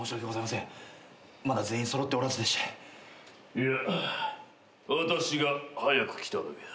いや私が早く来ただけだ。